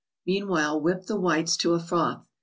Meanwhile, whip the whites to a froth.